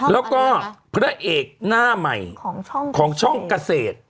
แล้วก็พระเอกหน้าใหม่ของช่องเกษตร